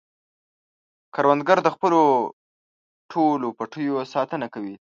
کروندګر د خپلو ټولو پټیو ساتنه کوي